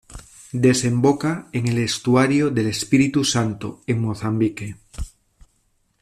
Desemboca en el estuario de Espíritu Santo en Mozambique.